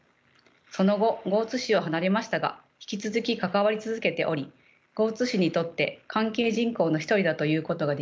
その後江津市を離れましたが引き続き関わり続けており江津市にとって関係人口の一人だと言うことができます。